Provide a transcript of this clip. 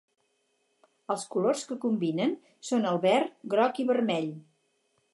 Els colors que combinen són el verd, groc i vermell.